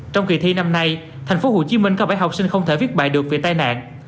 trong kỳ thi năm nay tp hcm có bảy học sinh không thể viết bài được về tai nạn